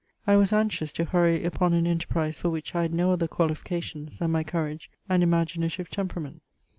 I was anxious to hurry upon an en terprise for which I had no other qualifications than my courage anl^imaginadye temperament.